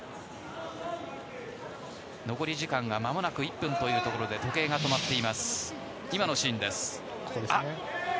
残り時間がまもなく１分というところで時計が止まっています。